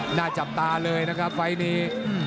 หน้าจับตาเลยนะครับไฟล์นี้